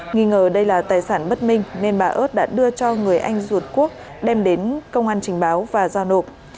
nghi ngờ đây là tài sản bất minh nên bà ớt đã đưa cho người anh ruột quốc đem đến công an trình báo và giao nộp